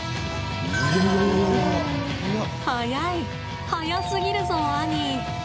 速い、速すぎるぞ兄。